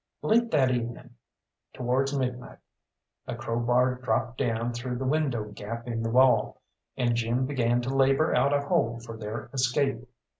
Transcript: Late that evening, towards midnight, a crowbar dropped down through the window gap in the wall, and Jim began to labour out a hole for their escape.